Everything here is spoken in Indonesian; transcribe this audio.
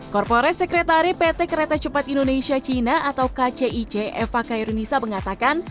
korporat sekretari pt kereta cepat indonesia cina atau kcic eva kairunisa mengatakan